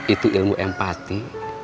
itu ilmu empati